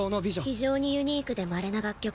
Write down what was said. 「非常にユニークでまれな楽曲」。